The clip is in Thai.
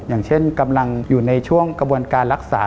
อย่างเช่นกำลังอยู่ในช่วงกระบวนการรักษา